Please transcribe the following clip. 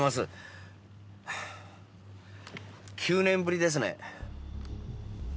９年ぶりですね。